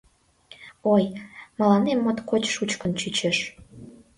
— Ой, мыланем моткоч шучкын чучеш!